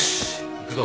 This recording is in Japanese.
行くぞ。